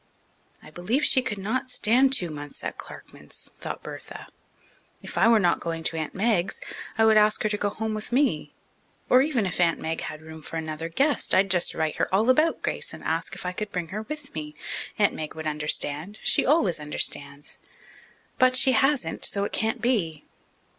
I believe she could not stand two months at Clarkman's, thought Bertha. If I were not going to Aunt Meg's, I would ask her to go home with me. Or even if Aunt Meg had room for another guest, I'd just write her all about Grace and ask if I could bring her with me. Aunt Meg would understand she always understands. But she hasn't, so it can't be.